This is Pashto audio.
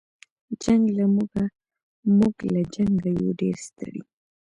جنګ له موږه موږ له جنګه یو ډېر ستړي